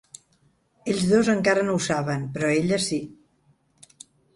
Ells dos encara no ho saben, però ella sí.